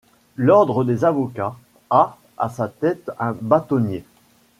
L'ordre des avocats, a à sa tête un bâtonnier.